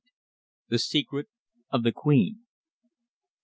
THE SECRET OF THE QUEEN.